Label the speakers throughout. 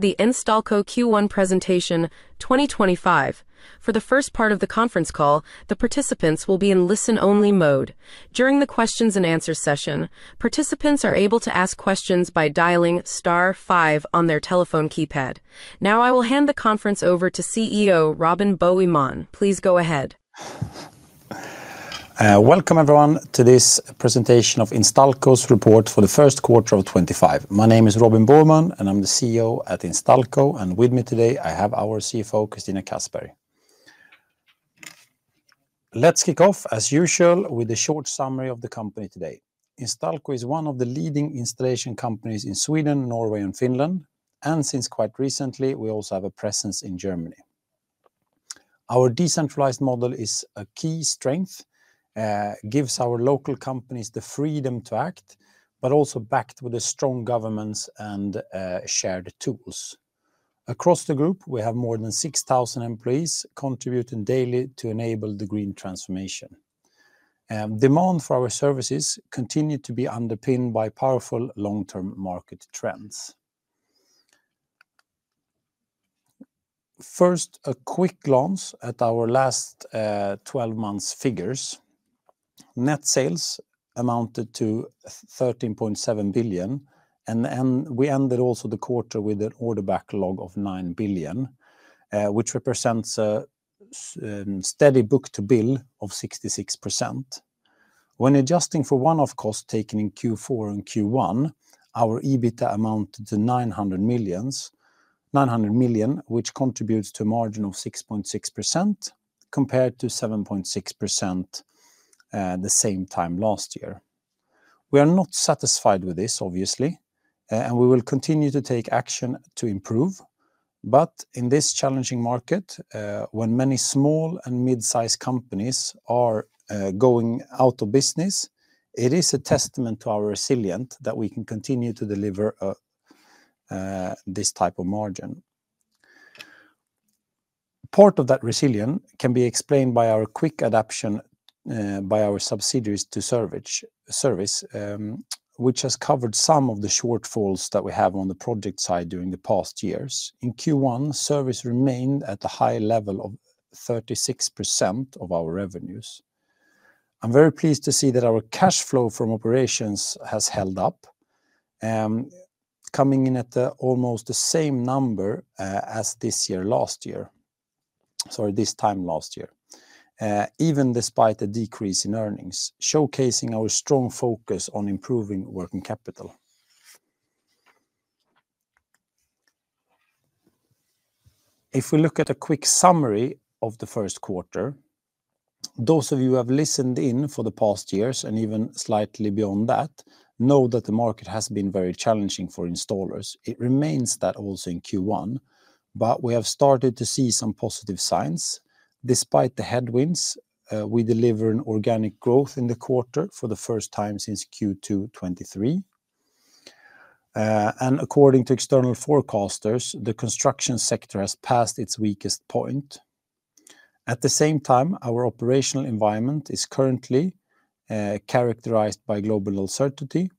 Speaker 1: The Instalco Q1 Presentation 2025. For the first part of the conference call, the participants will be in listen-only mode. During the questions-and-answers session, participants are able to ask questions by dialing star five on their telephone keypad. Now, I will hand the conference over to CEO Robin Boheman. Please go ahead.
Speaker 2: Welcome, everyone, to this presentation of Instalco's report for the first quarter of 2025. My name is Robin Boheman, and I'm the CEO at Instalco, and with me today, I have our CFO, Christina Kassberg. Let's kick off, as usual, with a short summary of the company today. Instalco is one of the leading installation companies in Sweden, Norway, and Finland, and since quite recently, we also have a presence in Germany. Our decentralized model is a key strength, gives our local companies the freedom to act, but also backed with strong governance and shared tools. Across the group, we have more than 6,000 employees contributing daily to enable the green transformation. Demand for our services continues to be underpinned by powerful long-term market trends. First, a quick glance at our last 12 months' figures. Net sales amounted to 13.7 billion, and we ended also the quarter with an order backlog of 9 billion, which represents a steady book-to-bill of 66%. When adjusting for one-off costs taken in Q4 and Q1, our EBITDA amounted to 900 million, which contributes to a margin of 6.6% compared to 7.6% the same time last year. We are not satisfied with this, obviously, and we will continue to take action to improve, but in this challenging market, when many small and mid-sized companies are going out of business, it is a testament to our resilience that we can continue to deliver this type of margin. Part of that resilience can be explained by our quick adoption by our subsidiaries to service, which has covered some of the shortfalls that we have on the project side during the past years. In Q1, service remained at a high level of 36% of our revenues. I'm very pleased to see that our cash flow from operations has held up, coming in at almost the same number as this time last year, even despite a decrease in earnings, showcasing our strong focus on improving working capital. If we look at a quick summary of the first quarter, those of you who have listened in for the past years and even slightly beyond that know that the market has been very challenging for installers. It remains that also in Q1, but we have started to see some positive signs. Despite the headwinds, we delivered organic growth in the quarter for the first time since Q2 2023. According to external forecasters, the construction sector has passed its weakest point. At the same time, our operational environment is currently characterized by global uncertainty.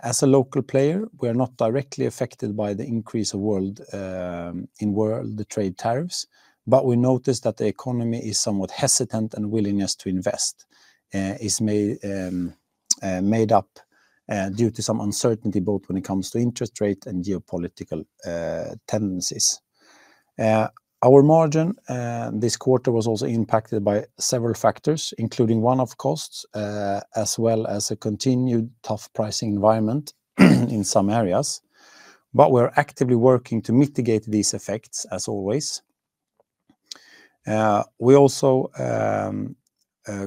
Speaker 2: As a local player, we are not directly affected by the increase in world trade tariffs, but we notice that the economy is somewhat hesitant and willingness to invest is made up due to some uncertainty both when it comes to interest rates and geopolitical tendencies. Our margin this quarter was also impacted by several factors, including one-off costs as well as a continued tough pricing environment in some areas, but we're actively working to mitigate these effects as always. We also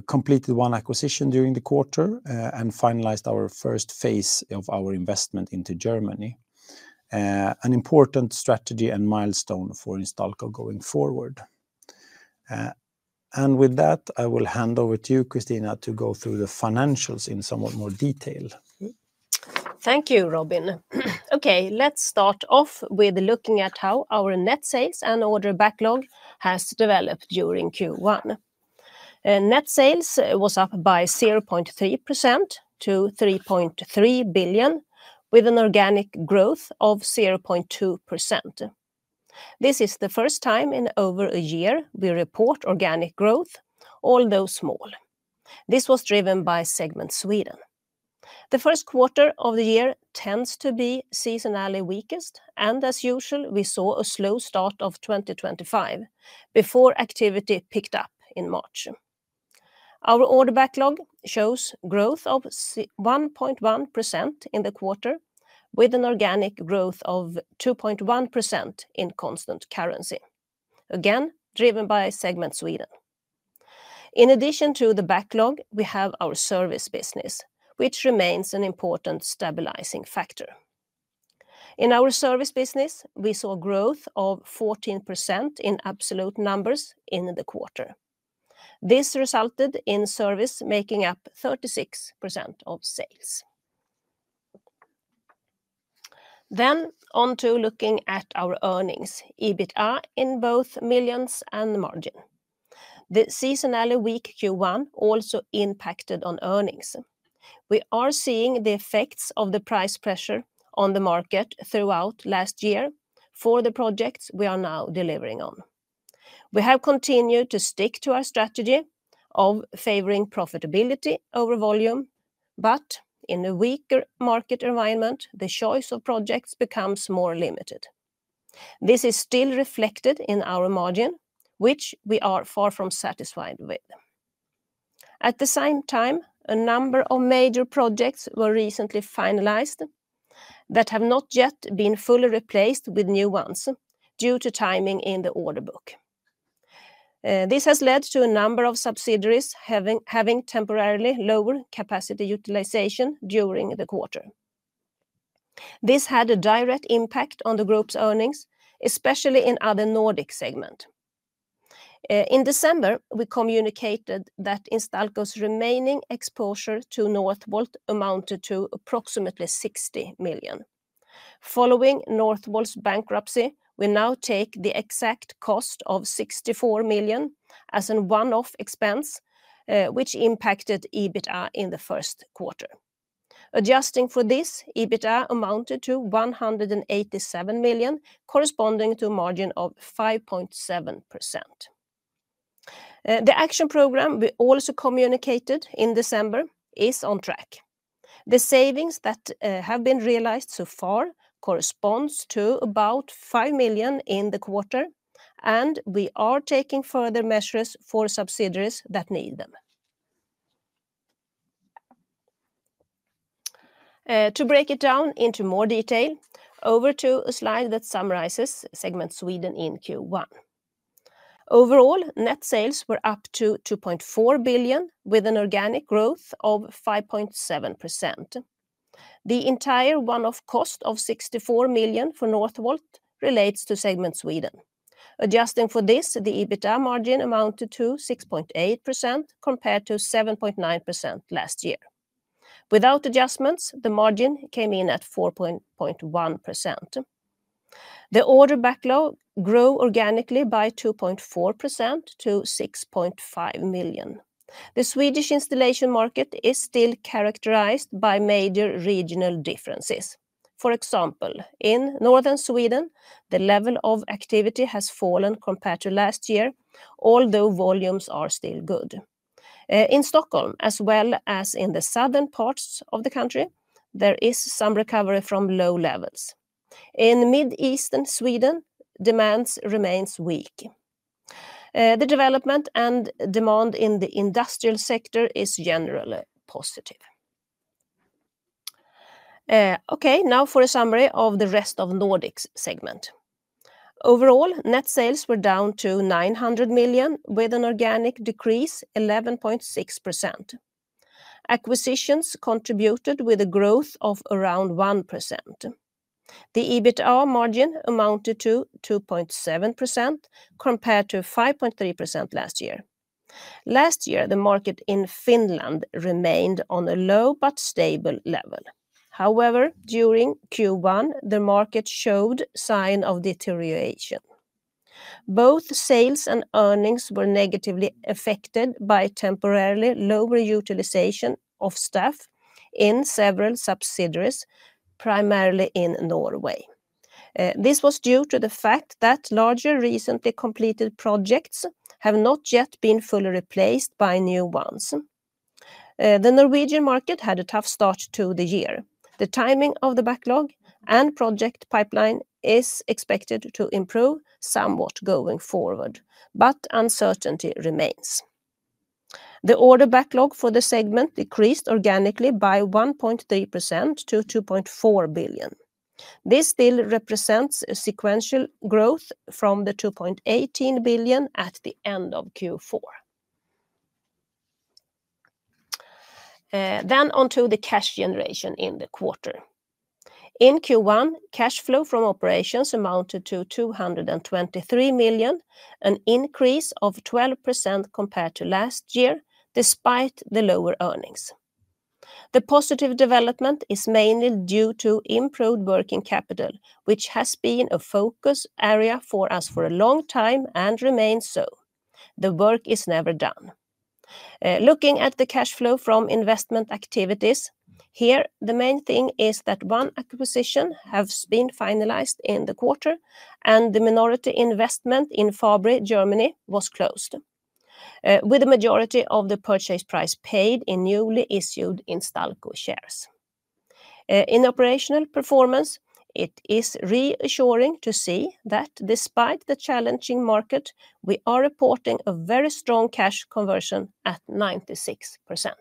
Speaker 2: completed one acquisition during the quarter and finalized our first phase of our investment into Germany, an important strategy and milestone for Instalco going forward. With that, I will hand over to you, Christina, to go through the financials in somewhat more detail.
Speaker 3: Thank you, Robin. Okay, let's start off with looking at how our net sales and order backlog has developed during Q1. Net sales was up by 0.3% to 3.3 billion, with an organic growth of 0.2%. This is the first time in over a year we report organic growth, although small. This was driven by Segment Sweden. The first quarter of the year tends to be seasonally weakest, and as usual, we saw a slow start of 2025 before activity picked up in March. Our order backlog shows growth of 1.1% in the quarter, with an organic growth of 2.1% in constant currency, again driven by Segment Sweden. In addition to the backlog, we have our service business, which remains an important stabilizing factor. In our service business, we saw growth of 14% in absolute numbers in the quarter. This resulted in service making up 36% of sales. Looking at our earnings, EBITDA in both millions and margin. The seasonally weak Q1 also impacted on earnings. We are seeing the effects of the price pressure on the market throughout last year for the projects we are now delivering on. We have continued to stick to our strategy of favoring profitability over volume, but in a weaker market environment, the choice of projects becomes more limited. This is still reflected in our margin, which we are far from satisfied with. At the same time, a number of major projects were recently finalized that have not yet been fully replaced with new ones due to timing in the order book. This has led to a number of subsidiaries having temporarily lower capacity utilization during the quarter. This had a direct impact on the group's earnings, especially in other Nordic segments. In December, we communicated that Instalco's remaining exposure to Northvolt amounted to approximately 60 million. Following Northvolt's bankruptcy, we now take the exact cost of 64 million as a one-off expense, which impacted EBITDA in the first quarter. Adjusting for this, EBITDA amounted to 187 million, corresponding to a margin of 5.7%. The action program we also communicated in December is on track. The savings that have been realized so far correspond to about 5 million in the quarter, and we are taking further measures for subsidiaries that need them. To break it down into more detail, over to a slide that summarizes segment Sweden in Q1. Overall, net sales were up to 2.4 billion, with an organic growth of 5.7%. The entire one-off cost of 64 million for Northvolt relates to Segment Sweden. Adjusting for this, the EBITDA margin amounted to 6.8% compared to 7.9% last year. Without adjustments, the margin came in at 4.1%. The order backlog grew organically by 2.4% to 6.5 million. The Swedish installation market is still characterized by major regional differences. For example, in northern Sweden, the level of activity has fallen compared to last year, although volumes are still good. In Stockholm, as well as in the southern parts of the country, there is some recovery from low levels. In mid-eastern Sweden, demand remains weak. The development and demand in the industrial sector is generally positive. Okay, now for a summary of the Rest of Nordic segment. Overall, net sales were down to 900 million, with an organic decrease of 11.6%. Acquisitions contributed with a growth of around 1%. The EBITDA margin amounted to 2.7% compared to 5.3% last year. Last year, the market in Finland remained on a low but stable level. However, during Q1, the market showed signs of deterioration. Both sales and earnings were negatively affected by temporarily lower utilization of staff in several subsidiaries, primarily in Norway. This was due to the fact that larger recently completed projects have not yet been fully replaced by new ones. The Norwegian market had a tough start to the year. The timing of the backlog and project pipeline is expected to improve somewhat going forward, but uncertainty remains. The order backlog for the segment decreased organically by 1.3% to 2.4 billion. This still represents a sequential growth from the 2.18 billion at the end of Q4. Then on to the cash generation in the quarter. In Q1, cash flow from operations amounted to 223 million, an increase of 12% compared to last year, despite the lower earnings. The positive development is mainly due to improved working capital, which has been a focus area for us for a long time and remains so. The work is never done. Looking at the cash flow from investment activities, here, the main thing is that one acquisition has been finalized in the quarter, and the minority investment in Fabri, Germany, was closed, with the majority of the purchase price paid in newly issued Instalco shares. In operational performance, it is reassuring to see that despite the challenging market, we are reporting a very strong cash conversion at 96%.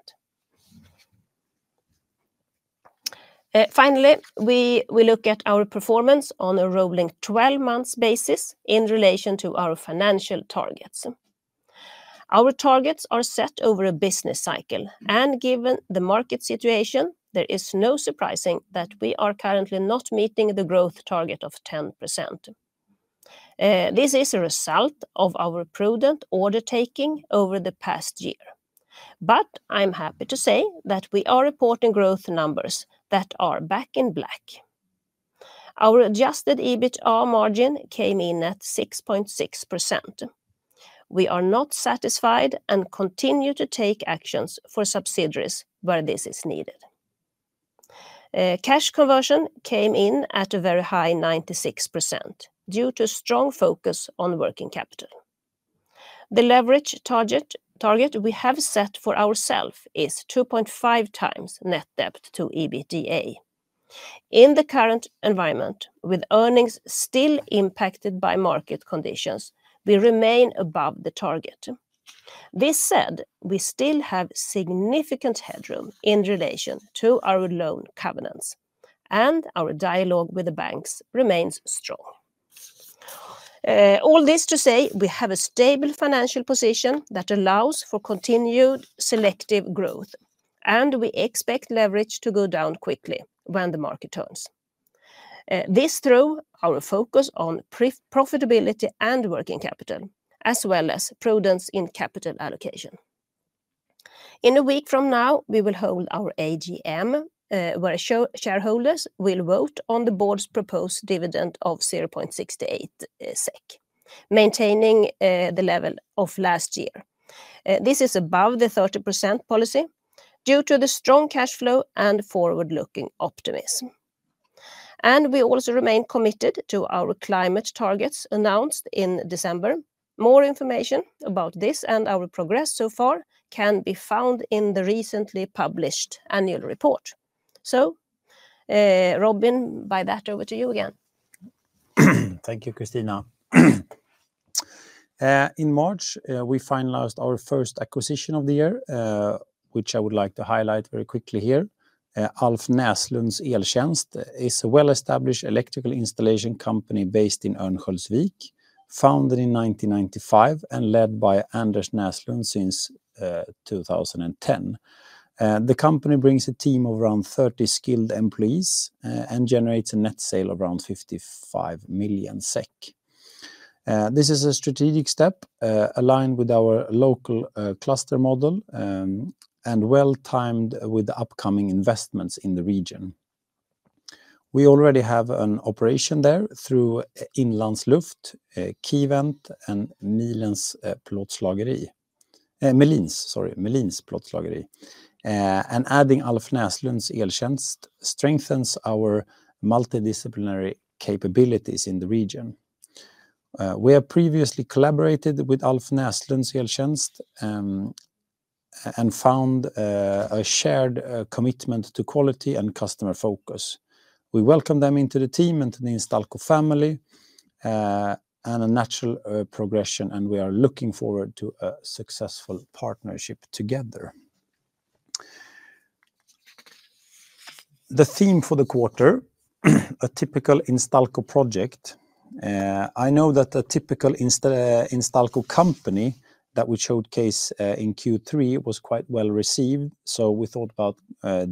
Speaker 3: Finally, we look at our performance on a rolling 12-month basis in relation to our financial targets. Our targets are set over a business cycle, and given the market situation, there is no surprising that we are currently not meeting the growth target of 10%. This is a result of our prudent order taking over the past year, but I'm happy to say that we are reporting growth numbers that are back in black. Our adjusted EBITDA margin came in at 6.6%. We are not satisfied and continue to take actions for subsidiaries where this is needed. Cash conversion came in at a very high 96% due to strong focus on working capital. The leverage target we have set for ourselves is 2.5x net debt to EBITDA. In the current environment, with earnings still impacted by market conditions, we remain above the target. This said, we still have significant headroom in relation to our loan covenants, and our dialogue with the banks remains strong. All this to say, we have a stable financial position that allows for continued selective growth, and we expect leverage to go down quickly when the market turns. This through our focus on profitability and working capital, as well as prudence in capital allocation. In a week from now, we will hold our AGM, where shareholders will vote on the board's proposed dividend of 0.68%, maintaining the level of last year. This is above the 30% policy due to the strong cash flow and forward-looking optimism. We also remain committed to our climate targets announced in December. More information about this and our progress so far can be found in the recently published annual report. Robin, by that, over to you again.
Speaker 2: Thank you, Christina. In March, we finalized our first acquisition of the year, which I would like to highlight very quickly here. Alf Näslunds Eltjänst is a well-established electrical installation company based in Örnsköldsvik, founded in 1995 and led by Anders Näslund since 2010. The company brings a team of around 30 skilled employees and generates a net sale of around 55 million SEK. This is a strategic step aligned with our local cluster model and well-timed with the upcoming investments in the region. We already have an operation there through Inlands Luft, Keyvent and Melins Plåtslageri. Adding Alf Näslunds Eltjänst strengthens our multidisciplinary capabilities in the region. We have previously collaborated with Alf Näslunds Eltjänst and found a shared commitment to quality and customer focus. We welcome them into the team and to the Instalco family and a natural progression, and we are looking forward to a successful partnership together. The theme for the quarter, a typical Instalco project. I know that a typical Instalco company that we showcased in Q3 was quite well received, so we thought about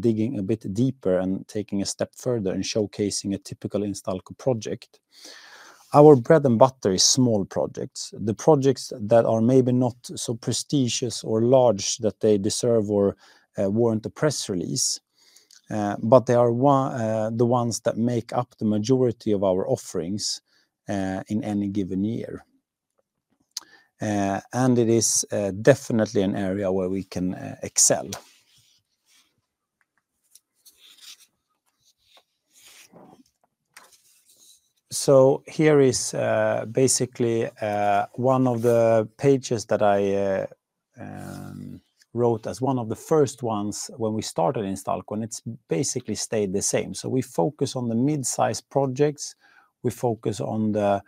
Speaker 2: digging a bit deeper and taking a step further and showcasing a typical Instalco project. Our bread and butter is small projects, the projects that are maybe not so prestigious or large that they deserve or warrant a press release, but they are the ones that make up the majority of our offerings in any given year. It is definitely an area where we can excel. Here is basically one of the pages that I wrote as one of the first ones when we started Instalco, and it has basically stayed the same. We focus on the mid-size projects. We focus on the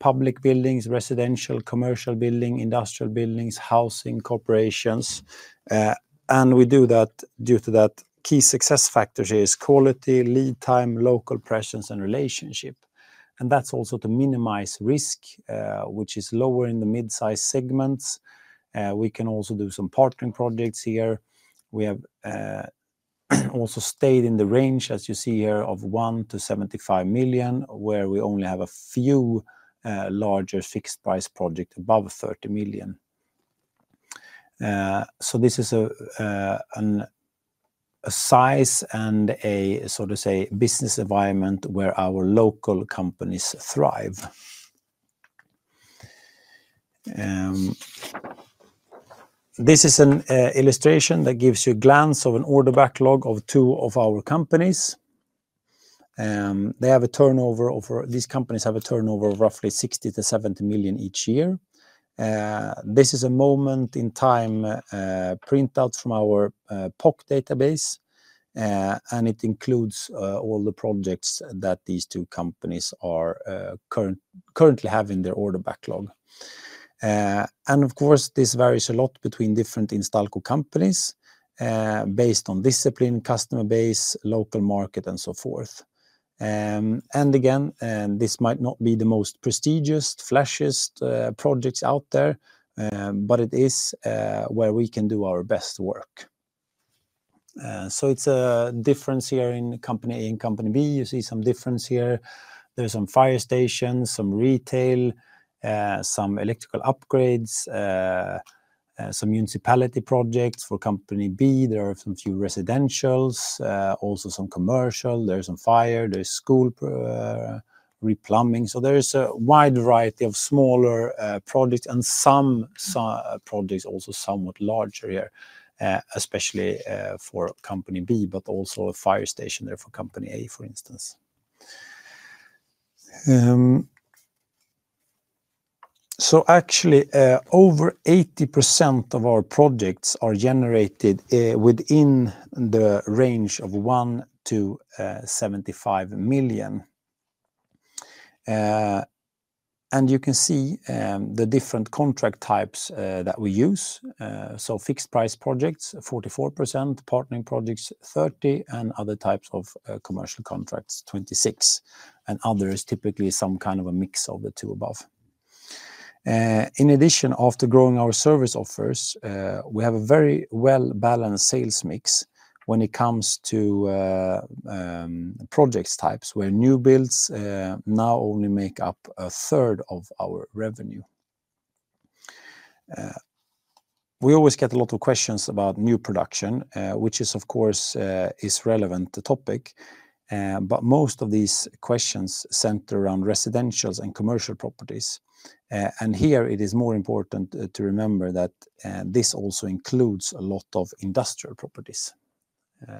Speaker 2: public buildings, residential, commercial buildings, industrial buildings, housing, corporations. We do that due to that key success factor here is quality, lead time, local presence, and relationship. That is also to minimize risk, which is lower in the mid-size segments. We can also do some partnering projects here. We have also stayed in the range, as you see here, of 1 million-75 million, where we only have a few larger fixed-price projects above 30 million. This is a size and a, so to say, business environment where our local companies thrive. This is an illustration that gives you a glance of an order backlog of two of our companies. They have a turnover of, these companies have a turnover of roughly 60 million-70 million each year. This is a moment in time printout from our POC database, and it includes all the projects that these two companies are currently having in their order backlog. It varies a lot between different Instalco companies based on discipline, customer base, local market, and so forth. This might not be the most prestigious, flashiest projects out there, but it is where we can do our best work. There is a difference here in company A and company B. You see some difference here. There are some fire stations, some retail, some electrical upgrades, some municipality projects for company B. There are a few residentials, also some commercial. There is some fire, there is school replumbing. There is a wide variety of smaller projects and some projects also somewhat larger here, especially for company B, but also a fire station there for company A, for instance. Actually, over 80% of our projects are generated within the range of 1 million-75 million. You can see the different contract types that we use. Fixed-price projects, 44%; partnering projects, 30%; and other types of commercial contracts, 26%. Others are typically some kind of a mix of the two above. In addition, after growing our service offers, we have a very well-balanced sales mix when it comes to project types, where new builds now only make up a third of our revenue. We always get a lot of questions about new production, which is, of course, a relevant topic, but most of these questions center around residentials and commercial properties. Here it is more important to remember that this also includes a lot of industrial properties.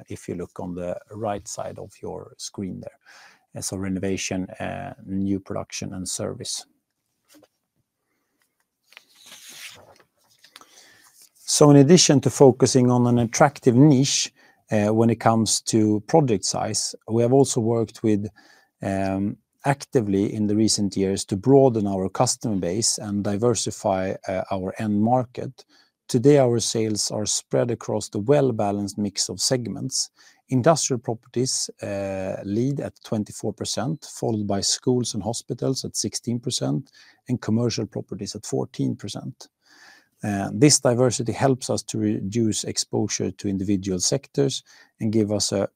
Speaker 2: If you look on the right side of your screen there: renovation, new production, and service. In addition to focusing on an attractive niche when it comes to project size, we have also worked actively in recent years to broaden our customer base and diversify our end market. Today, our sales are spread across a well-balanced mix of segments. Industrial properties lead at 24%, followed by schools and hospitals at 16%, and commercial properties at 14%. This diversity helps us to reduce exposure to individual sectors and gives us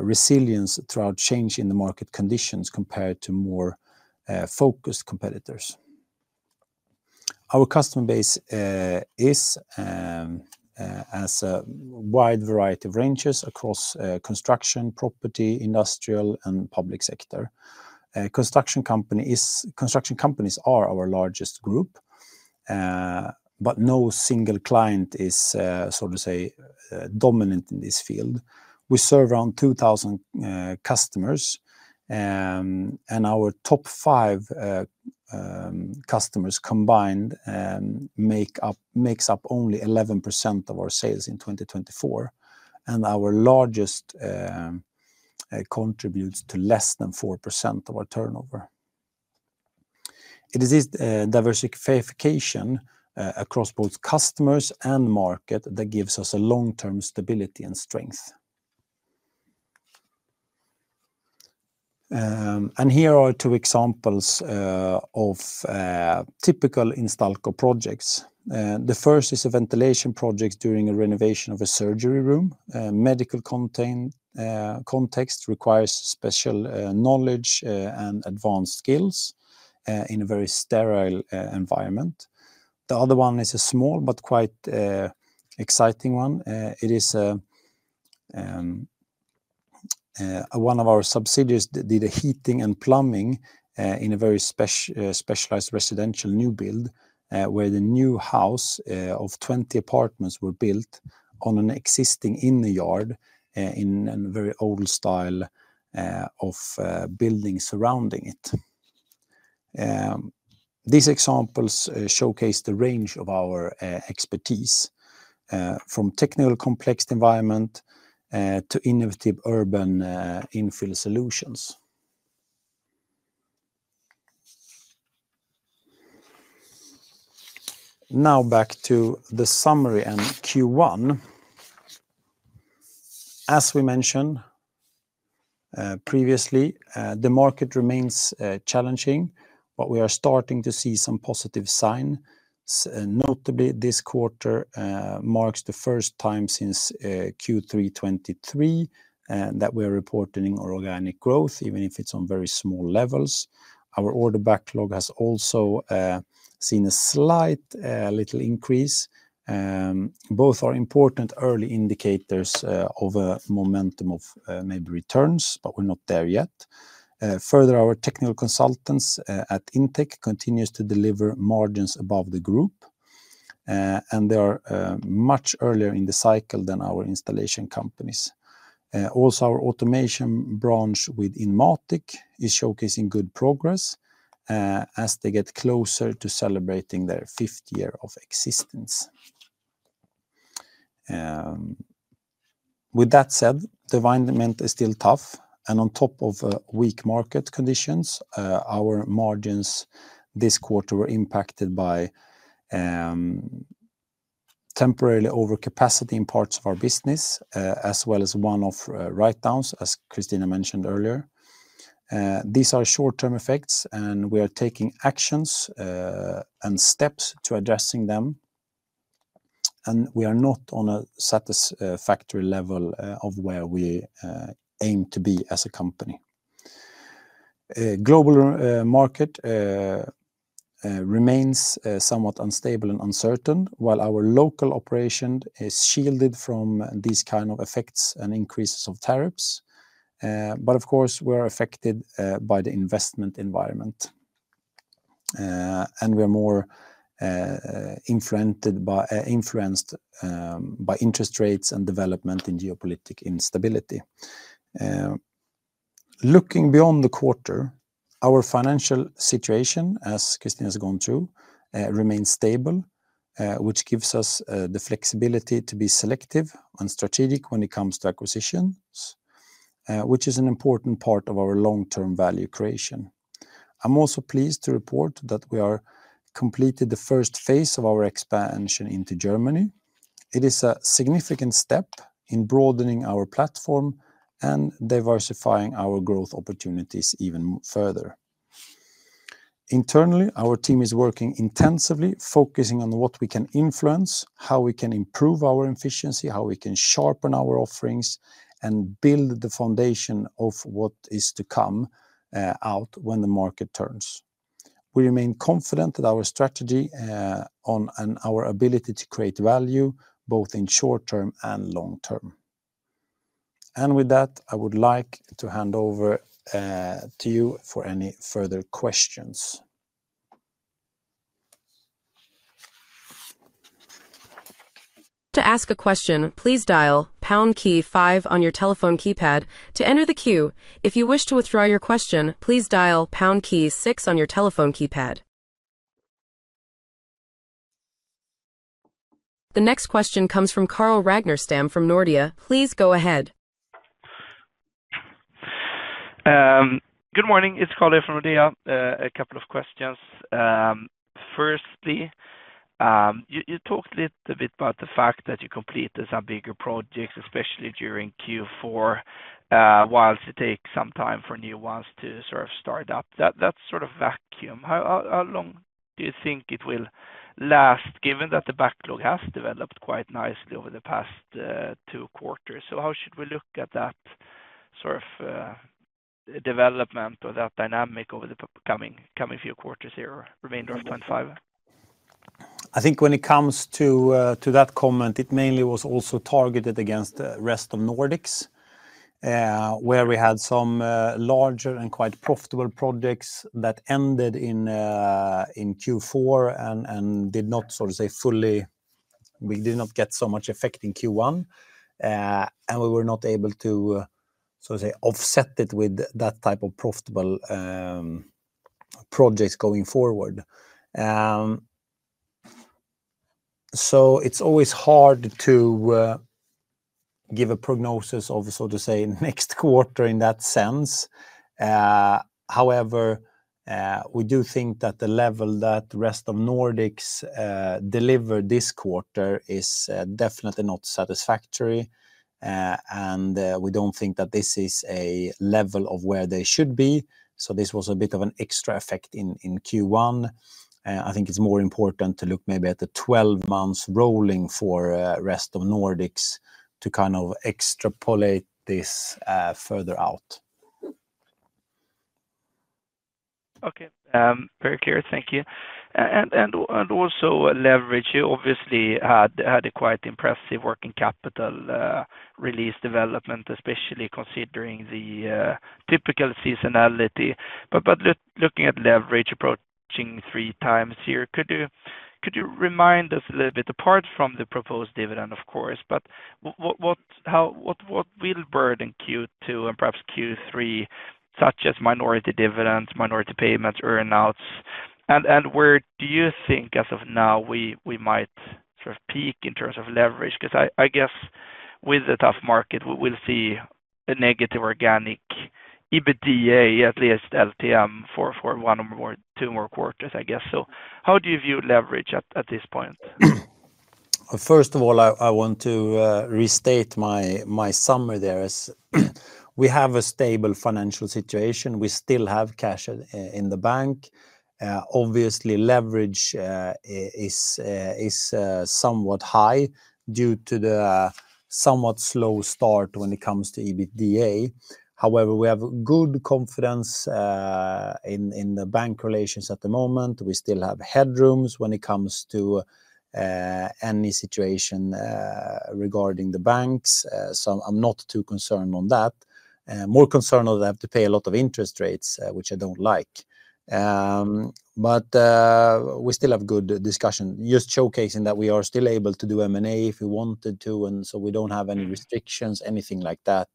Speaker 2: resilience throughout change in the market conditions compared to more focused competitors. Our customer base is a wide variety of ranges across construction, property, industrial, and public sector. Construction companies are our largest group, but no single client is, so to say, dominant in this field. We serve around 2,000 customers, and our top five customers combined make up only 11% of our sales in 2024, and our largest contributes to less than 4% of our turnover. It is this diversification across both customers and market that gives us long-term stability and strength. Here are two examples of typical Instalco projects. The first is a ventilation project during a renovation of a surgery room. Medical context requires special knowledge and advanced skills in a very sterile environment. The other one is a small but quite exciting one. It is one of our subsidiaries that did heating and plumbing in a very specialized residential new build where the new house of 20 apartments was built on an existing inner yard in a very old style of building surrounding it. These examples showcase the range of our expertise from technical complex environment to innovative urban infill solutions. Now back to the summary and Q1. As we mentioned previously, the market remains challenging, but we are starting to see some positive signs. Notably, this quarter marks the first time since Q3 2023 that we are reporting organic growth, even if it's on very small levels. Our order backlog has also seen a slight little increase. Both are important early indicators of a momentum of maybe returns, but we're not there yet. Further, our technical consultants at Intec continue to deliver margins above the group, and they are much earlier in the cycle than our installation companies. Also, our automation branch within Inmatiq is showcasing good progress as they get closer to celebrating their fifth year of existence. With that said, the environment is still tough, and on top of weak market conditions, our margins this quarter were impacted by temporary overcapacity in parts of our business, as well as one-off write-downs, as Christina mentioned earlier. These are short-term effects, and we are taking actions and steps to addressing them. We are not on a satisfactory level of where we aim to be as a company. Global market remains somewhat unstable and uncertain, while our local operation is shielded from these kinds of effects and increases of tariffs. Of course, we are affected by the investment environment, and we are more influenced by interest rates and development in geopolitical instability. Looking beyond the quarter, our financial situation, as Christina has gone through, remains stable, which gives us the flexibility to be selective and strategic when it comes to acquisitions, which is an important part of our long-term value creation. I am also pleased to report that we have completed the first phase of our expansion into Germany. It is a significant step in broadening our platform and diversifying our growth opportunities even further. Internally, our team is working intensively, focusing on what we can influence, how we can improve our efficiency, how we can sharpen our offerings, and build the foundation of what is to come out when the market turns. We remain confident in our strategy and our ability to create value both in short-term and long-term. I would like to hand over to you for any further questions.
Speaker 1: To ask a question, please dial pound key five on your telephone keypad to enter the queue. If you wish to withdraw your question, please dial pound key six on your telephone keypad. The next question comes from Carl Ragnerstam from Nordea. Please go ahead.
Speaker 4: Good morning. It's Carl here from Nordea. A couple of questions. Firstly, you talked a little bit about the fact that you completed some bigger projects, especially during Q4, while it takes some time for new ones to sort of start up. That sort of vacuum, how long do you think it will last, given that the backlog has developed quite nicely over the past two quarters? How should we look at that sort of development or that dynamic over the coming few quarters here, remainder of 2025?
Speaker 2: I think when it comes to that comment, it mainly was also targeted against the Rest of Nordic, where we had some larger and quite profitable projects that ended in Q4 and did not, so to say, fully—we did not get so much effect in Q1, and we were not able to, so to say, offset it with that type of profitable projects going forward. It is always hard to give a prognosis of, so to say, next quarter in that sense. However, we do think that the level that the Rest of Nordic deliver this quarter is definitely not satisfactory, and we do not think that this is a level of where they should be. This was a bit of an extra effect in Q1. I think it is more important to look maybe at the 12-month rolling for the Rest of Nordic to kind of extrapolate this further out.
Speaker 4: Okay. Very clear. Thank you. Also, leverage, you obviously had a quite impressive working capital release development, especially considering the typical seasonality. Looking at leverage approaching three times here, could you remind us a little bit, apart from the proposed dividend of course, what will burden Q2 and perhaps Q3, such as minority dividends, minority payments, earning outs? Where do you think as of now we might sort of peak in terms of leverage? I guess with the tough market, we will see a negative organic EBITDA, at least LTM, for one or two more quarters, I guess. How do you view leverage at this point?
Speaker 2: First of all, I want to restate my summary there. We have a stable financial situation. We still have cash in the bank. Obviously, leverage is somewhat high due to the somewhat slow start when it comes to EBITDA. However, we have good confidence in the bank relations at the moment. We still have headrooms when it comes to any situation regarding the banks. I'm not too concerned on that. More concerned that I have to pay a lot of interest rates, which I don't like. We still have good discussion, just showcasing that we are still able to do M&A if we wanted to, and we don't have any restrictions, anything like that,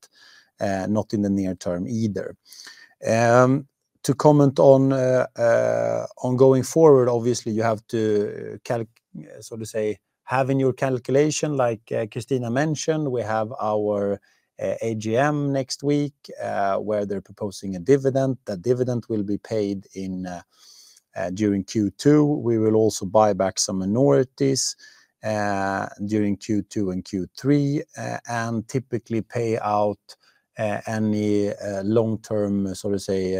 Speaker 2: not in the near term either. To comment on going forward, obviously, you have to, so to say, have in your calculation, like Christina mentioned, we have our AGM next week where they're proposing a dividend. That dividend will be paid during Q2. We will also buy back some minorities during Q2 and Q3 and typically pay out any long-term, so to say,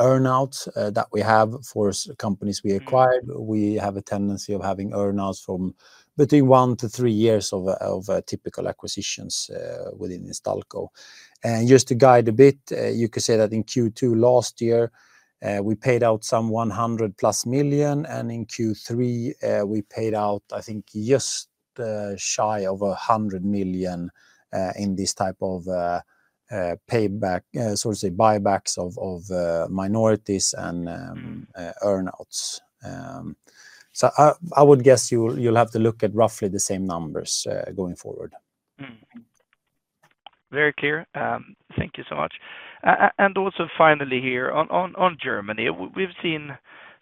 Speaker 2: earning outs that we have for companies we acquired. We have a tendency of having earning outs from between one to three years of typical acquisitions within Instalco. Just to guide a bit, you could say that in Q2 last year, we paid out some 100 million plus, and in Q3, we paid out, I think, just shy of 100 million in this type of payback, so to say, buybacks of minorities and earning outs. I would guess you'll have to look at roughly the same numbers going forward.
Speaker 4: Very clear. Thank you so much. Also, finally here, on Germany, we've seen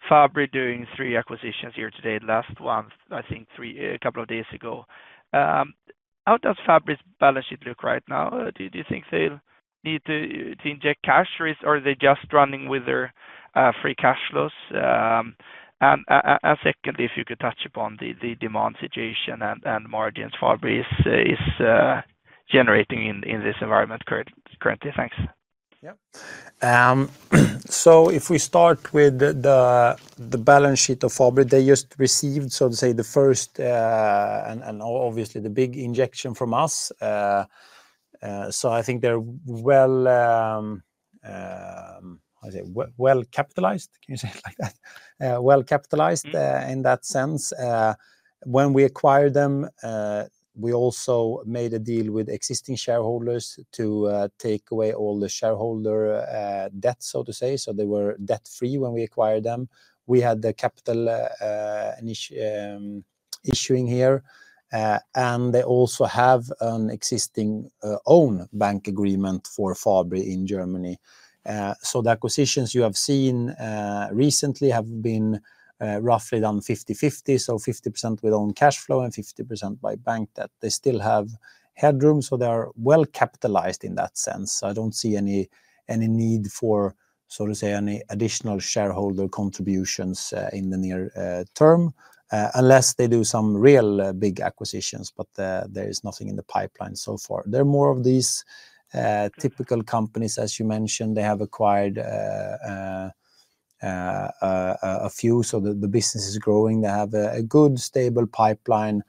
Speaker 4: Fabri doing three acquisitions here today, the last one, I think, a couple of days ago. How does Fabri's balance sheet look right now? Do you think they'll need to inject cash, or are they just running with their free cash flows? Secondly, if you could touch upon the demand situation and margins Fabri is generating in this environment currently. Thanks.
Speaker 2: Yep. If we start with the balance sheet of Fabri, they just received, so to say, the first and obviously the big injection from us. I think they're well capitalized, can you say it like that? Well capitalized in that sense. When we acquired them, we also made a deal with existing shareholders to take away all the shareholder debt, so to say, so they were debt-free when we acquired them. We had the capital issuing here, and they also have an existing own bank agreement for Fabri in Germany. The acquisitions you have seen recently have been roughly done 50/50, so 50% with own cash flow and 50% by bank debt. They still have headroom, so they are well capitalized in that sense. I don't see any need for, so to say, any additional shareholder contributions in the near term unless they do some real big acquisitions, but there is nothing in the pipeline so far. There are more of these typical companies, as you mentioned. They have acquired a few, so the business is growing. They have a good stable pipeline,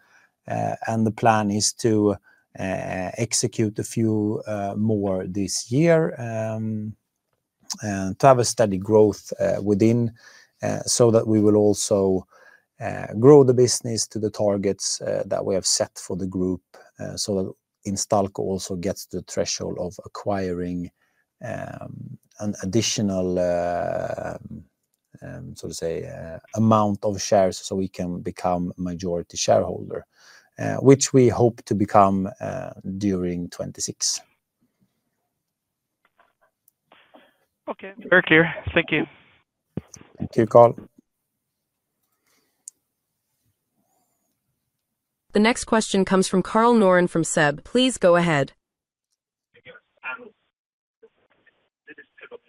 Speaker 2: and the plan is to execute a few more this year to have a steady growth within so that we will also grow the business to the targets that we have set for the group so that Instalco also gets to the threshold of acquiring an additional, so to say, amount of shares so we can become a majority shareholder, which we hope to become during 2026.
Speaker 4: Okay. Very clear. Thank you.
Speaker 2: Thank you, Carl.
Speaker 1: The next question comes from Karl Norén from SEB. Please go ahead.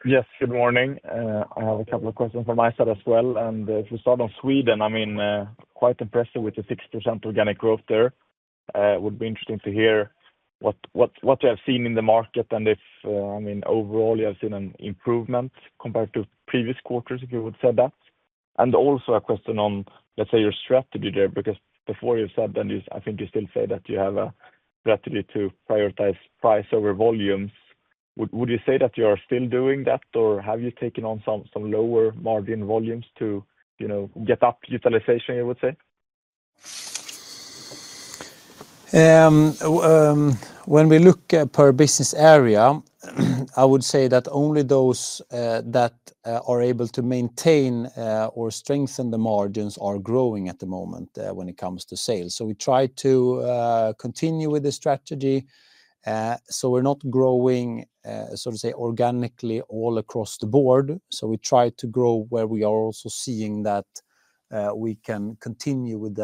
Speaker 5: Yes, good morning. I have a couple of questions from my side as well. If we start on Sweden, I mean, quite impressive with the 6% organic growth there. It would be interesting to hear what you have seen in the market and if, I mean, overall you have seen an improvement compared to previous quarters, if you would say that. Also a question on, let's say, your strategy there, because before you said that I think you still say that you have a strategy to prioritize price over volumes. Would you say that you are still doing that, or have you taken on some lower margin volumes to get up utilization, you would say?
Speaker 2: When we look at per business area, I would say that only those that are able to maintain or strengthen the margins are growing at the moment when it comes to sales. We try to continue with the strategy. We are not growing, so to say, organically all across the board. We try to grow where we are also seeing that we can continue with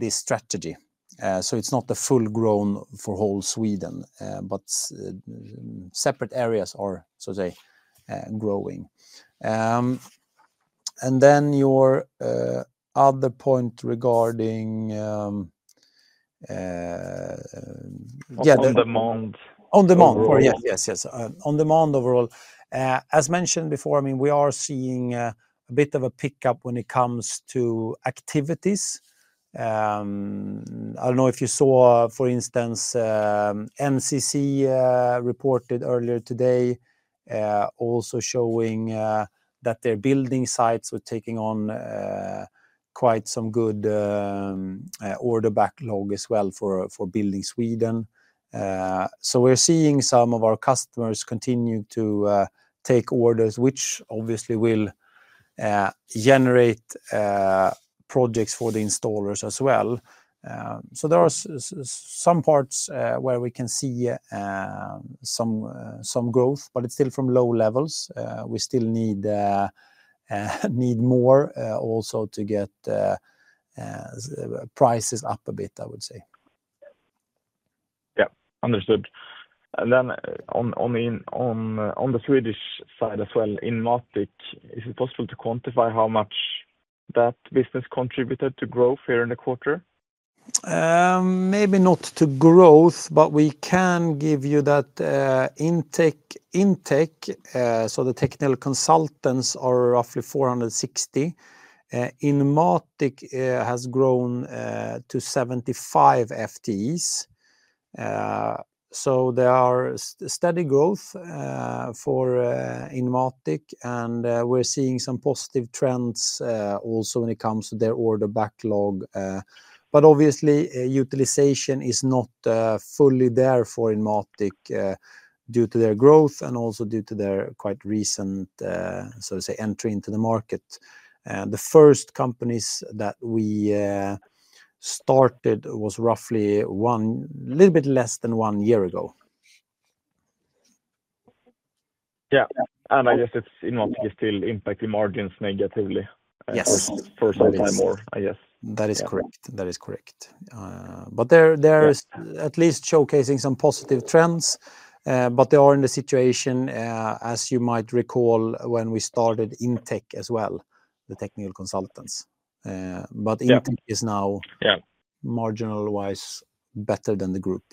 Speaker 2: this strategy. It is not a full grown for whole Sweden, but separate areas are, so to say, growing. Your other point regarding.
Speaker 5: On demand.
Speaker 2: On demand, yes, yes, yes. On demand overall. As mentioned before, I mean, we are seeing a bit of a pickup when it comes to activities. I do not know if you saw, for instance, NCC reported earlier today also showing that their building sites were taking on quite some good order backlog as well for building Sweden. We are seeing some of our customers continue to take orders, which obviously will generate projects for the installers as well. There are some parts where we can see some growth, but it is still from low levels. We still need more also to get prices up a bit, I would say.
Speaker 5: Yep. Understood. On the Swedish side as well, in Inmatiq, is it possible to quantify how much that business contributed to growth here in the quarter?
Speaker 2: Maybe not to growth, but we can give you that Intec intake, the technical consultants are roughly 460. Inmatiq has grown to 75 FTEs. There is steady growth for Inmatiq, and we're seeing some positive trends also when it comes to their order backlog. Obviously, utilization is not fully there for In Inmatiq due to their growth and also due to their quite recent, so to say, entry into the market. The first companies that we started was roughly a little bit less than one year ago.
Speaker 5: Yeah. I guess Inmatiq is still impacting margins negatively for some time more, I guess.
Speaker 2: That is correct. That is correct. They're at least showcasing some positive trends, but they are in the situation, as you might recall, when we started Intec as well, the technical consultants. Intec is now marginal-wise better than the group.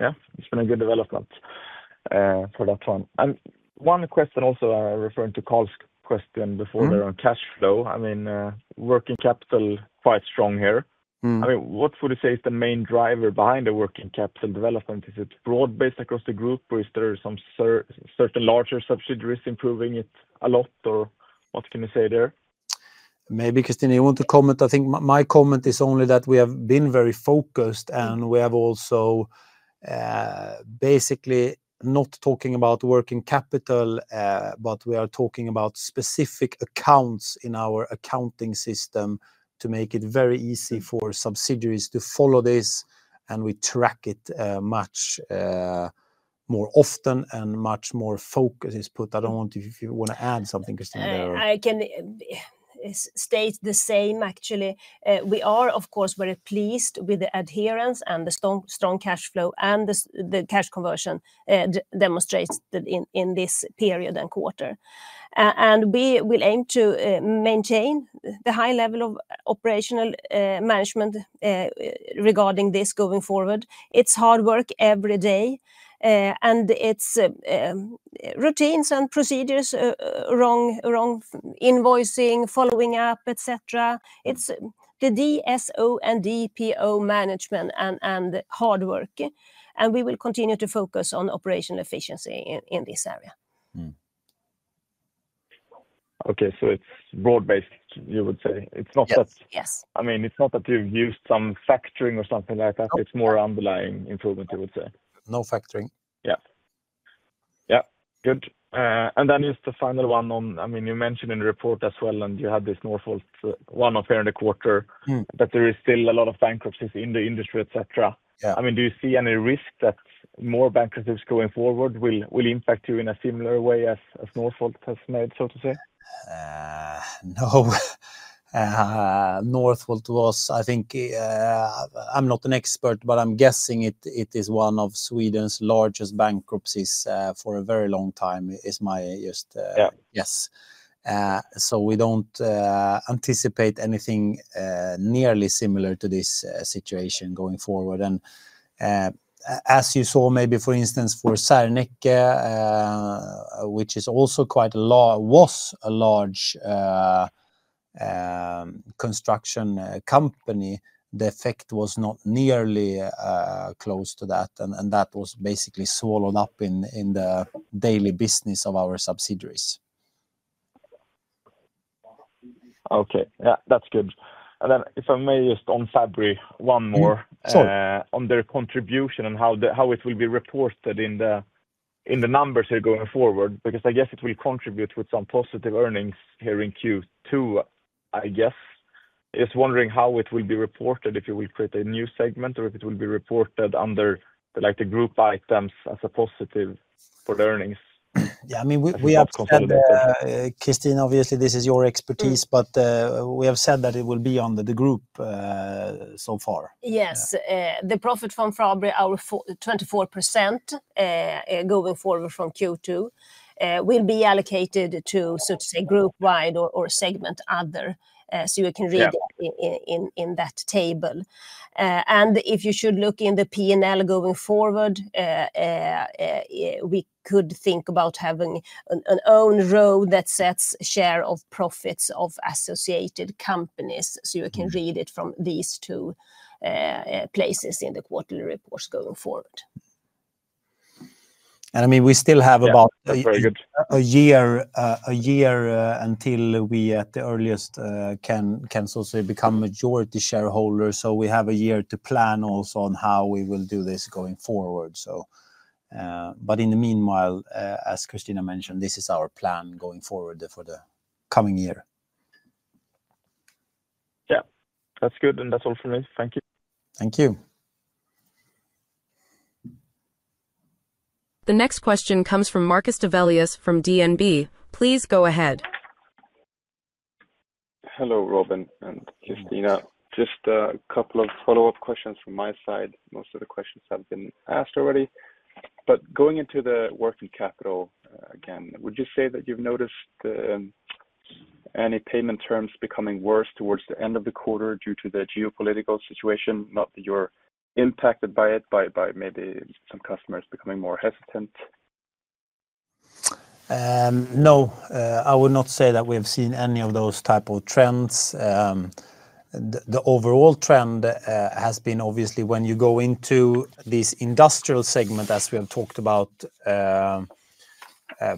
Speaker 5: Yeah. It's been a good development for that one. One question also, referring to Carl's question before there on cash flow, I mean, working capital quite strong here. I mean, what would you say is the main driver behind the working capital development? Is it broad-based across the group, or is there some certain larger subsidiaries improving it a lot, or what can you say there?
Speaker 2: Maybe Christina, you want to comment? I think my comment is only that we have been very focused, and we have also basically not talking about working capital, but we are talking about specific accounts in our accounting system to make it very easy for subsidiaries to follow this, and we track it much more often and much more focus is put. I do not know if you want to add something, Christina.
Speaker 3: I can state the same, actually. We are, of course, very pleased with the adherence and the strong cash flow and the cash conversion demonstrated in this period and quarter. We will aim to maintain the high level of operational management regarding this going forward. It's hard work every day, and it's routines and procedures, wrong invoicing, following up, etc. It's the DSO and DPO management and hard work. We will continue to focus on operational efficiency in this area.
Speaker 5: Okay. So it's broad-based, you would say.
Speaker 3: Yes.
Speaker 5: I mean, it's not that you've used some factoring or something like that. It's more underlying improvement, you would say.
Speaker 2: No factoring.
Speaker 5: Yeah. Yeah. Good. And then just the final one on, I mean, you mentioned in the report as well, and you had this Northvolt one up here in the quarter, that there is still a lot of bankruptcies in the industry, etc. I mean, do you see any risk that more bankruptcies going forward will impact you in a similar way as Northvolt has made, so to say?
Speaker 2: No. Northvolt was, I think, I'm not an expert, but I'm guessing it is one of Sweden's largest bankruptcies for a very long time, is my just guess. We don't anticipate anything nearly similar to this situation going forward. As you saw, maybe for instance, for Särnäcke, which is also quite a large, was a large construction company, the effect was not nearly close to that, and that was basically swallowed up in the daily business of our subsidiaries.
Speaker 5: Okay. Yeah. That's good. If I may, just on Fabri, one more on their contribution and how it will be reported in the numbers here going forward, because I guess it will contribute with some positive earnings here in Q2, I guess. Just wondering how it will be reported, if you will create a new segment or if it will be reported under the group items as a positive for the earnings.
Speaker 2: Yeah. I mean, we have said that Christina, obviously, this is your expertise, but we have said that it will be under the group so far.
Speaker 3: Yes. The profit from Fabri, our 24% going forward from Q2, will be allocated to, so to say, group-wide or segment other. You can read that in that table. If you should look in the P&L going forward, we could think about having an own row that sets share of profits of associated companies. You can read it from these two places in the quarterly reports going forward.
Speaker 2: I mean, we still have about a year until we at the earliest can so to say become majority shareholders. We have a year to plan also on how we will do this going forward. In the meanwhile, as Christina mentioned, this is our plan going forward for the coming year.
Speaker 5: Yeah. That's good. That is all from me. Thank you.
Speaker 2: Thank you.
Speaker 1: The next question comes from Marcus Develius from DNB. Please go ahead.
Speaker 6: Hello, Robin and Christina. Just a couple of follow-up questions from my side. Most of the questions have been asked already. Going into the working capital again, would you say that you've noticed any payment terms becoming worse towards the end of the quarter due to the geopolitical situation, not that you're impacted by it, by maybe some customers becoming more hesitant?
Speaker 2: No. I would not say that we have seen any of those type of trends. The overall trend has been obviously when you go into this industrial segment, as we have talked about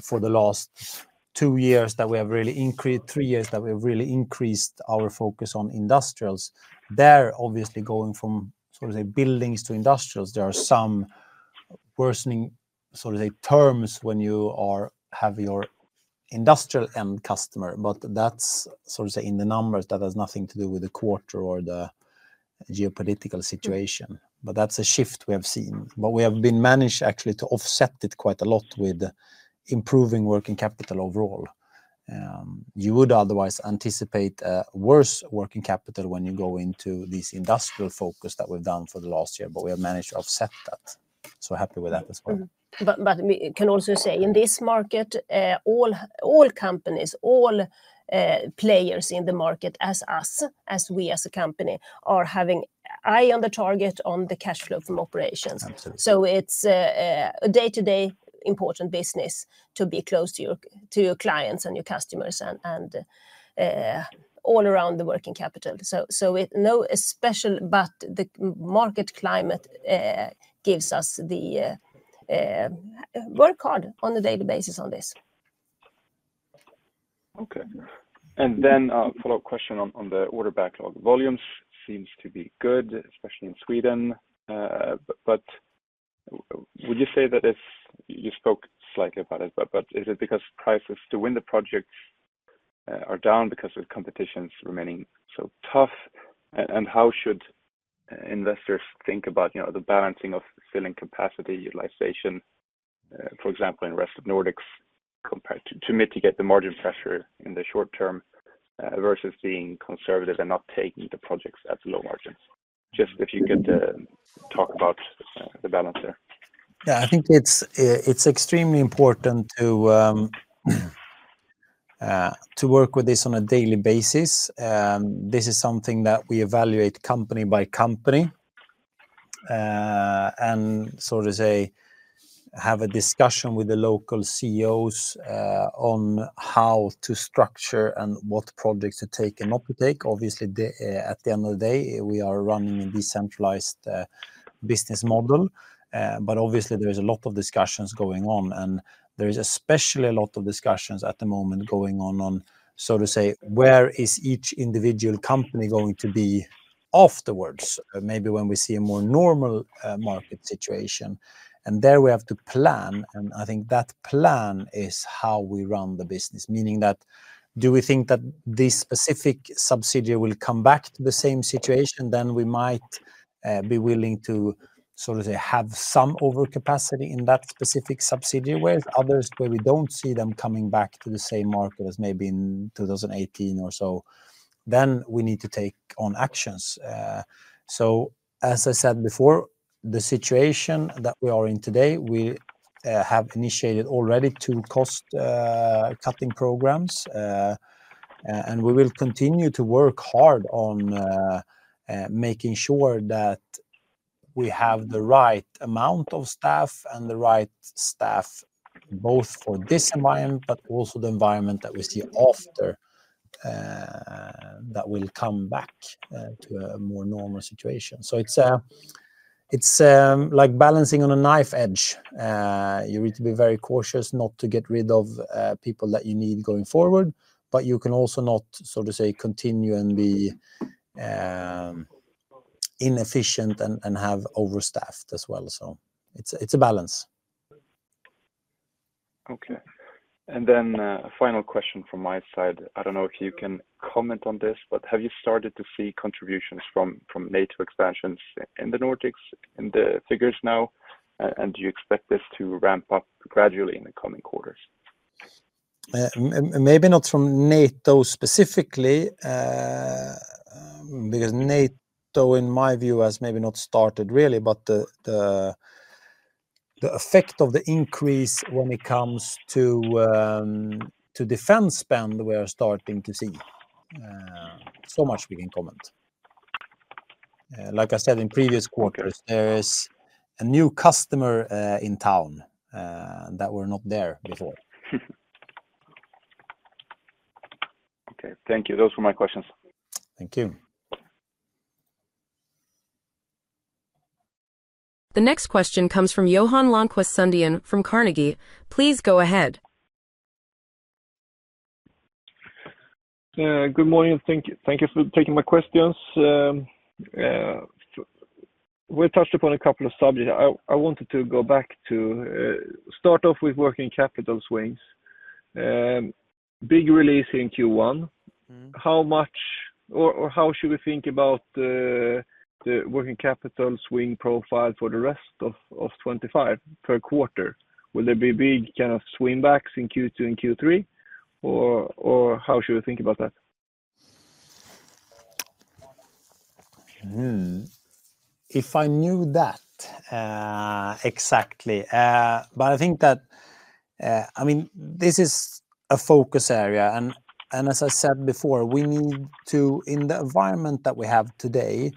Speaker 2: for the last two years that we have really increased, three years that we have really increased our focus on industrials. They're obviously going from, so to say, buildings to industrials. There are some worsening, so to say, terms when you have your industrial end customer, but that's, so to say, in the numbers that has nothing to do with the quarter or the geopolitical situation. That is a shift we have seen. We have been managed actually to offset it quite a lot with improving working capital overall. You would otherwise anticipate a worse working capital when you go into this industrial focus that we've done for the last year, but we have managed to offset that. Happy with that as well.
Speaker 3: We can also say in this market, all companies, all players in the market, as us, as we as a company are having eye on the target on the cash flow from operations. It is a day-to-day important business to be close to your clients and your customers and all around the working capital. No special, but the market climate gives us the work hard on a daily basis on this.
Speaker 6: Okay. A follow-up question on the order backlog. Volumes seem to be good, especially in Sweden. Would you say that, you spoke slightly about it, but is it because prices to win the projects are down because competition is remaining so tough? How should investors think about the balancing of filling capacity, utilization, for example, in the Rest of Nordic compared to mitigating the margin pressure in the short term versus being conservative and not taking the projects at low margins? Just if you could talk about the balance there.
Speaker 2: Yeah. I think it's extremely important to work with this on a daily basis. This is something that we evaluate company by company and, so to say, have a discussion with the local CEOs on how to structure and what projects to take and not to take. Obviously, at the end of the day, we are running a decentralized business model, but obviously, there is a lot of discussions going on. There is especially a lot of discussions at the moment going on on, so to say, where is each individual company going to be afterwards, maybe when we see a more normal market situation. There we have to plan. I think that plan is how we run the business, meaning that do we think that this specific subsidiary will come back to the same situation? We might be willing to, so to say, have some overcapacity in that specific subsidiary whereas others where we do not see them coming back to the same market as maybe in 2018 or so. We need to take on actions. As I said before, the situation that we are in today, we have initiated already two cost-cutting programs, and we will continue to work hard on making sure that we have the right amount of staff and the right staff both for this environment, but also the environment that we see after that will come back to a more normal situation. It is like balancing on a knife edge. You need to be very cautious not to get rid of people that you need going forward, but you can also not, so to say, continue and be inefficient and have overstaffed as well. It is a balance.
Speaker 6: Okay. Final question from my side. I don't know if you can comment on this, but have you started to see contributions from NATO expansions in the Nordics in the figures now? Do you expect this to ramp up gradually in the coming quarters?
Speaker 2: Maybe not from NATO specifically, because NATO, in my view, has maybe not started really, but the effect of the increase when it comes to defense spend, we are starting to see. So much we can comment. Like I said in previous quarters, there is a new customer in town that were not there before.
Speaker 6: Okay. Thank you. Those were my questions.
Speaker 2: Thank you.
Speaker 1: The next question comes from Johan Lönnqvist Sundén from Carnegie. Please go ahead.
Speaker 7: Good morning. Thank you for taking my questions. We touched upon a couple of subjects. I wanted to go back to start off with working capital swings. Big release in Q1. How much or how should we think about the working capital swing profile for the rest of 2025 per quarter? Will there be big kind of swing backs in Q2 and Q3, or how should we think about that?
Speaker 2: If I knew that exactly. I think that, I mean, this is a focus area. As I said before, we need to, in the environment that we have today,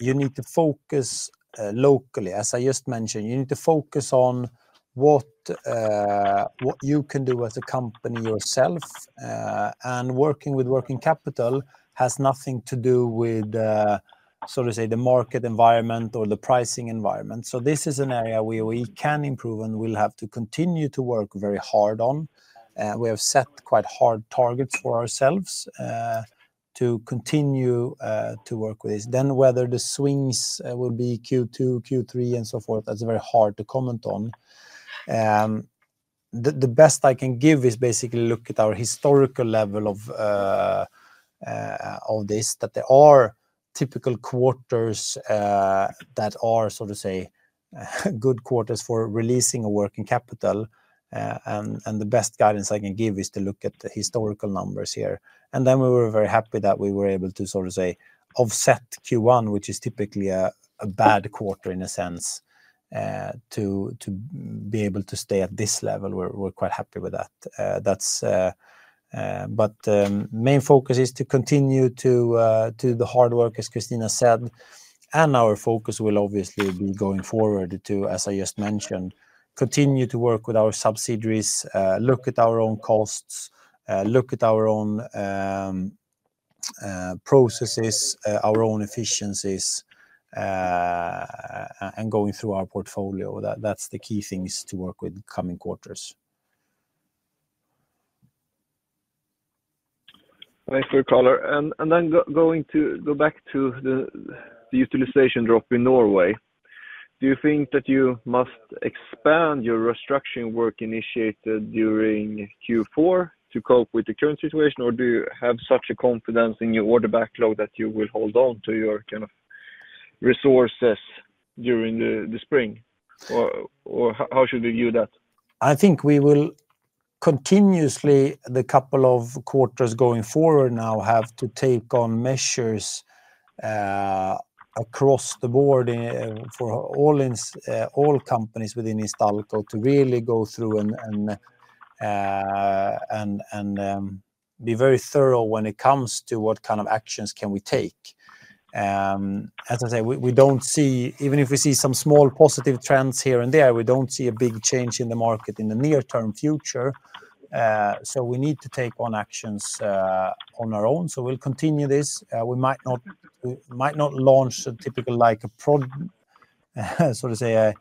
Speaker 2: you need to focus locally. As I just mentioned, you need to focus on what you can do as a company yourself. Working with working capital has nothing to do with, so to say, the market environment or the pricing environment. This is an area where we can improve and we'll have to continue to work very hard on. We have set quite hard targets for ourselves to continue to work with this. Whether the swings will be Q2, Q3, and so forth, that's very hard to comment on. The best I can give is basically look at our historical level of this, that there are typical quarters that are, so to say, good quarters for releasing working capital. The best guidance I can give is to look at the historical numbers here. We were very happy that we were able to, so to say, offset Q1, which is typically a bad quarter in a sense, to be able to stay at this level. We're quite happy with that. The main focus is to continue to do the hard work, as Christina said. Our focus will obviously be going forward to, as I just mentioned, continue to work with our subsidiaries, look at our own costs, look at our own processes, our own efficiencies, and going through our portfolio. That's the key things to work with coming quarters.
Speaker 7: [Thanks for the color]. Going back to the utilization drop in Norway, do you think that you must expand your restructuring work initiated during Q4 to cope with the current situation, or do you have such a confidence in your order backlog that you will hold on to your kind of resources during the spring? How should we view that?
Speaker 2: I think we will continuously, the couple of quarters going forward now, have to take on measures across the board for all companies within Instalco to really go through and be very thorough when it comes to what kind of actions can we take. As I say, we don't see, even if we see some small positive trends here and there, we don't see a big change in the market in the near-term future. We need to take on actions on our own. We'll continue this. We might not launch a typical, so to say,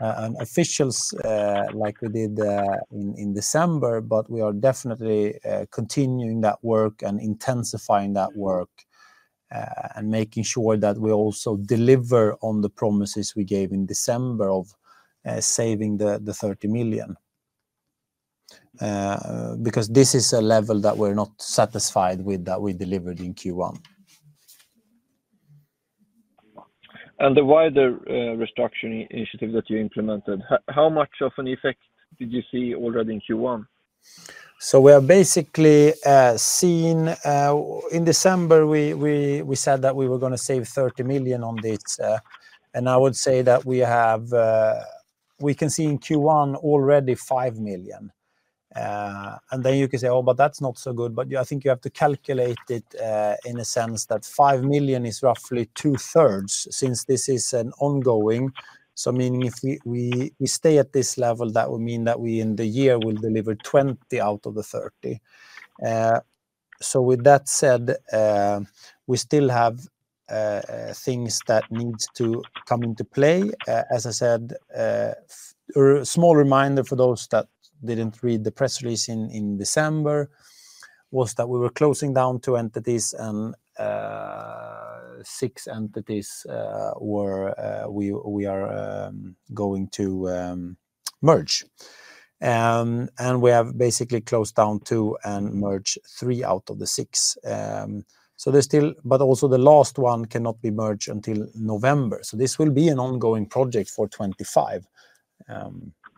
Speaker 2: an official like we did in December, but we are definitely continuing that work and intensifying that work and making sure that we also deliver on the promises we gave in December of saving 30 million. This is a level that we're not satisfied with that we delivered in Q1.
Speaker 7: The wider restructuring initiative that you implemented, how much of an effect did you see already in Q1?
Speaker 2: We have basically seen in December, we said that we were going to save 30 million on this. I would say that we can see in Q1 already 5 million. You can say, "Oh, but that's not so good." I think you have to calculate it in a sense that 5 million is roughly two-thirds since this is ongoing. Meaning if we stay at this level, that would mean that we in the year will deliver 20 million out of the 30 million. With that said, we still have things that need to come into play. As I said, a small reminder for those that did not read the press release in December was that we were closing down two entities and six entities we are going to merge. We have basically closed down two and merged three out of the six. There is still, but also the last one cannot be merged until November. This will be an ongoing project for 2025.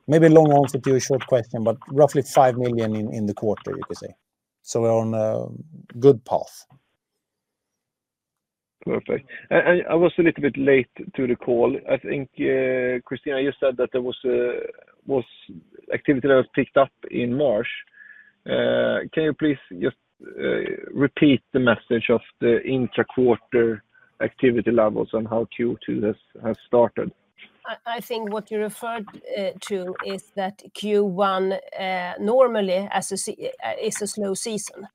Speaker 2: Maybe long answer to your short question, but roughly 5 million in the quarter, you could say. We are on a good path.
Speaker 7: Perfect. I was a little bit late to the call. I think, Christina, you said that there was activity that was picked up in March. Can you please just repeat the message of the intra-quarter activity levels and how Q2 has started?
Speaker 3: I think what you referred to is that Q1 normally is a slow season.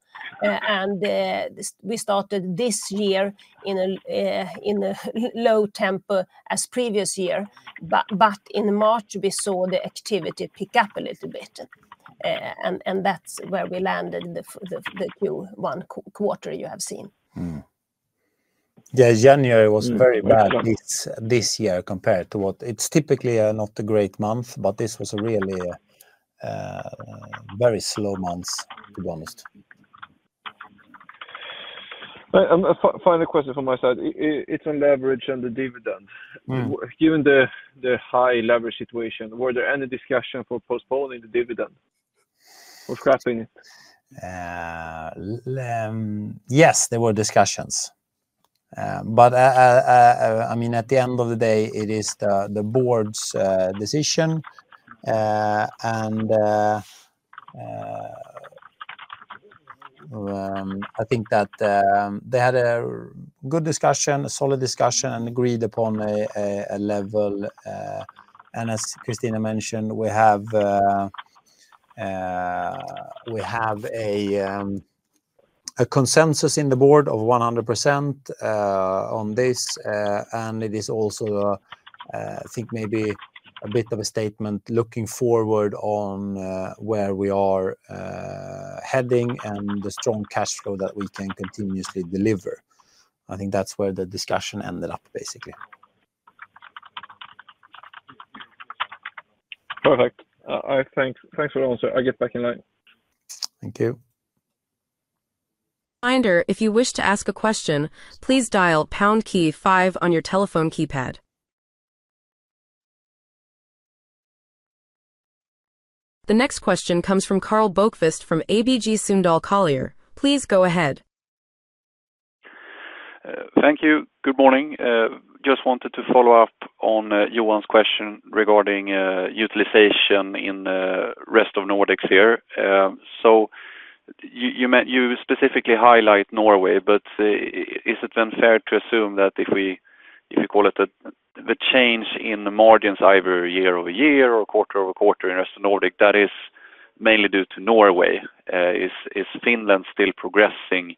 Speaker 3: We started this year in a low tempo as previous year, but in March, we saw the activity pick up a little bit. That is where we landed in the Q1 quarter you have seen.
Speaker 2: Yeah, January was very bad this year compared to what it's typically not a great month, but this was a really very slow month, to be honest.
Speaker 7: Final question from my side. It's on leverage and the dividend. Given the high leverage situation, were there any discussions for postponing the dividend or scrapping it?
Speaker 2: Yes, there were discussions. I mean, at the end of the day, it is the board's decision. I think that they had a good discussion, a solid discussion, and agreed upon a level. As Christina mentioned, we have a consensus in the board of 100% on this. It is also, I think, maybe a bit of a statement looking forward on where we are heading and the strong cash flow that we can continuously deliver. I think that's where the discussion ended up, basically.
Speaker 7: Perfect. Thanks for the answer. I'll get back in line.
Speaker 2: Thank you.
Speaker 1: Reminder, if you wish to ask a question, please dial pound key five on your telephone keypad. The next question comes from Karl Bokvist from ABG Sundal Collier. Please go ahead.
Speaker 8: Thank you. Good morning. Just wanted to follow up on Johan's question regarding utilization in the Rest of Nordic here. You specifically highlight Norway, but is it then fair to assume that if we call it the change in margins either year over year or quarter over quarter in the Rest of Nordic, that is mainly due to Norway? Is Finland still progressing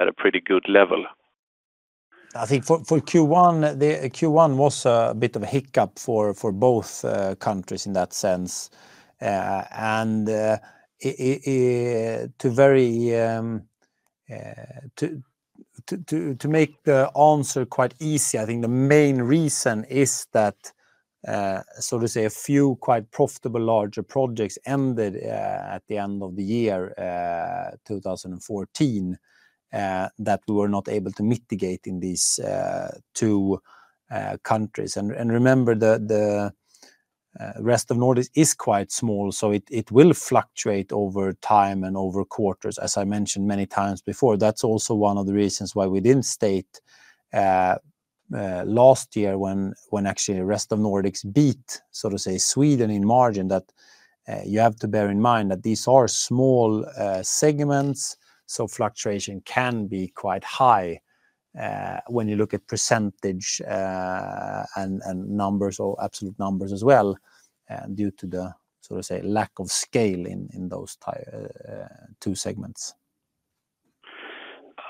Speaker 8: at a pretty good level?
Speaker 2: I think for Q1, Q1 was a bit of a hiccup for both countries in that sense. To make the answer quite easy, I think the main reason is that, so to say, a few quite profitable larger projects ended at the end of the year 2014 that we were not able to mitigate in these two countries. Remember, the Rest of Nordic is quite small, so it will fluctuate over time and over quarters, as I mentioned many times before. That's also one of the reasons why we didn't state last year when actually the Rest of Nordic beat, so to say, Sweden in margin, that you have to bear in mind that these are small segments, so fluctuation can be quite high when you look at percentage and numbers or absolute numbers as well due to the, so to say, lack of scale in those two segments.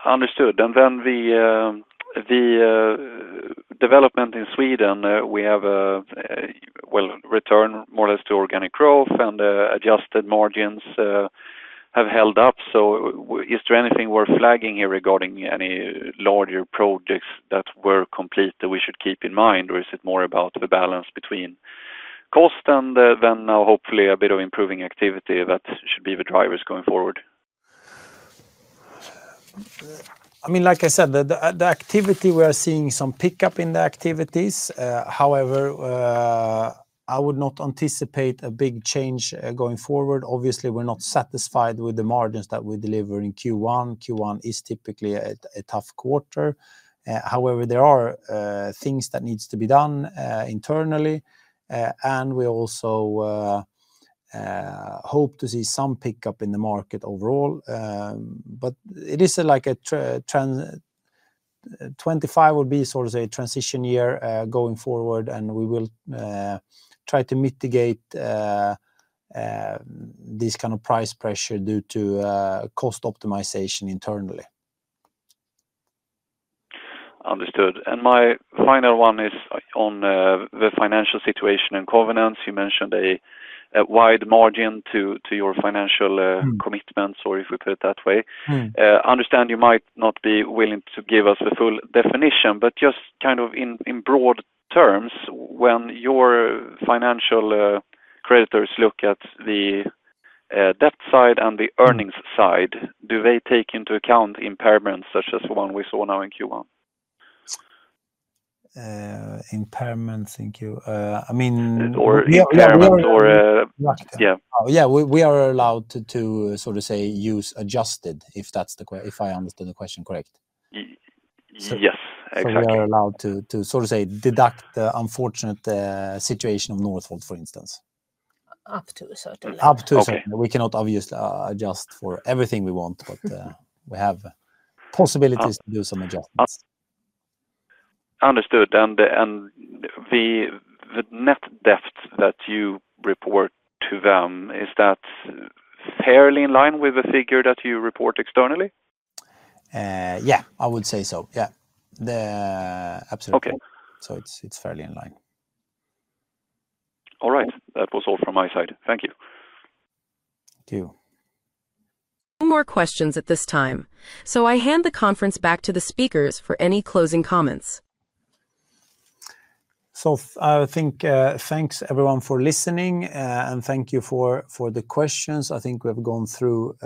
Speaker 8: Understood. The development in Sweden, we have a, well, return more or less to organic growth and adjusted margins have held up. Is there anything worth flagging here regarding any larger projects that were complete that we should keep in mind, or is it more about the balance between cost and then now hopefully a bit of improving activity that should be the drivers going forward?
Speaker 2: I mean, like I said, the activity, we are seeing some pickup in the activities. However, I would not anticipate a big change going forward. Obviously, we're not satisfied with the margins that we deliver in Q1. Q1 is typically a tough quarter. However, there are things that need to be done internally. We also hope to see some pickup in the market overall. It is like 2025 would be sort of a transition year going forward, and we will try to mitigate this kind of price pressure due to cost optimization internally.
Speaker 8: Understood. My final one is on the financial situation and covenants. You mentioned a wide margin to your financial commitments, or if we put it that way. I understand you might not be willing to give us the full definition, but just kind of in broad terms, when your financial creditors look at the debt side and the earnings side, do they take into account impairments such as the one we saw now in Q1?
Speaker 2: Impairments in Q1? I mean.
Speaker 8: Or impairments.
Speaker 2: Yeah, we are allowed to, so to say, use adjusted if I understood the question correct.
Speaker 8: Yes, exactly.
Speaker 2: We are allowed to, so to say, deduct the unfortunate situation of Northvolt, for instance.
Speaker 3: Up to a certain level.
Speaker 2: Up to a certain level. We cannot obviously adjust for everything we want, but we have possibilities to do some adjustments.
Speaker 8: Understood. The net debt that you report to them, is that fairly in line with the figure that you report externally?
Speaker 2: Yeah, I would say so. Yeah, absolutely. It is fairly in line.
Speaker 8: All right. That was all from my side. Thank you.
Speaker 2: Thank you.
Speaker 1: No more questions at this time. I hand the conference back to the speakers for any closing comments.
Speaker 2: I think thanks everyone for listening, and thank you for the questions. I think we have gone through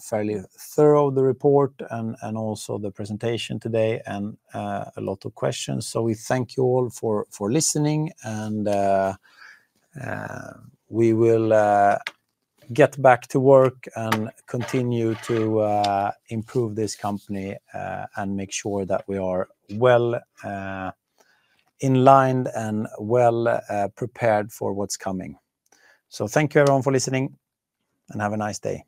Speaker 2: fairly thorough the report and also the presentation today and a lot of questions. We thank you all for listening, and we will get back to work and continue to improve this company and make sure that we are well in line and well prepared for what's coming. Thank you everyone for listening, and have a nice day.